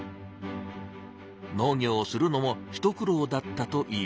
農業をするのも一苦労だったといいます。